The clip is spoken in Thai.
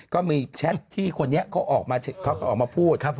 ก็มีแชทที่คนนี้เขาออกมาพูด